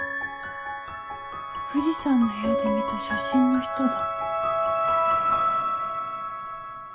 藤さんの部屋で見た写真の人だ。